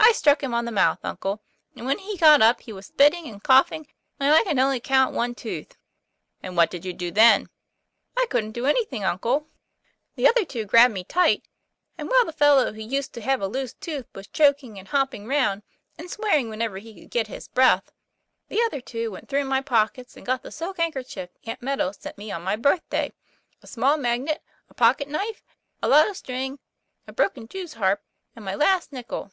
I struck him on the mouth, uncle, and when he got up he was spitting and coughing, and I could only count one tooth." " And what did you do then ?' "I couldn't do anything, uncle. The other two 160 TOM PLA YFAIR. grabbed me tight, and while the fellow who used to have a loose tooth was choking and hopping round, and swearing whenever he could get his breath, the other two went through my pockets and got the silk handkerchief Aunt Meadow sent me on my birthday, a small magnet, a pocket knife, a lot of string, a broken jew's harp, and my last nickel."